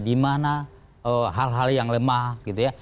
di mana hal hal yang lemah gitu ya